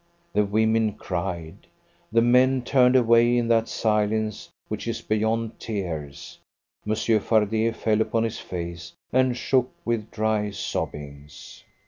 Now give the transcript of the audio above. The women cried. The men turned away in that silence which is beyond tears. Monsieur Fardet fell upon his face, and shook with dry sobbings.